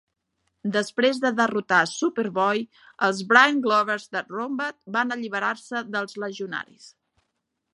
Després de derrotar Superboy, els Brain-Globes de Rambat van alliberar-se dels Legionaris.